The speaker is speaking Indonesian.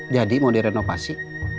jadi mau direnovasi